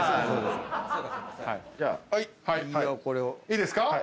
いいですか？